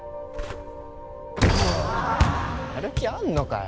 やる気あんのかよ